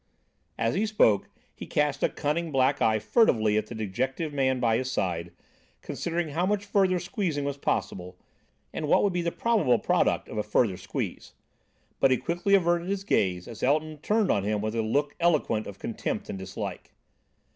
As he spoke, he cast a cunning black eye furtively at the dejected man by his side, considering how much further squeezing was possible, and what would be the probable product of a further squeeze; but he quickly averted his gaze as Elton turned on him a look eloquent of contempt and dislike.